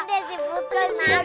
teganya putri nangis